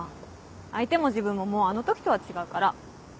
相手も自分ももうあの時とは違うから。